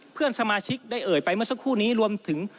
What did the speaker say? เพื่อนสมาชิกได้เอ่ยไปเมื่อสักครู่นี้รวมถึง